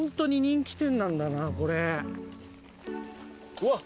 うわっ！